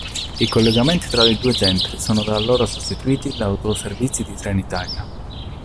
I collegamenti tra i due centri sono da allora sostituiti da autoservizi di Trenitalia.